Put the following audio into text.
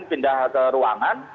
pindah ke ruangan